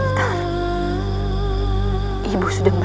tidak ada kesalahan